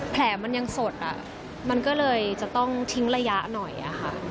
แผลมันยังสดมันก็เลยจะต้องทิ้งระยะหน่อยค่ะ